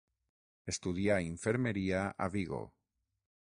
Estudià infermeria a Vigo.